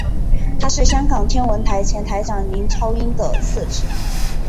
他是香港天文台前台长林超英的次子。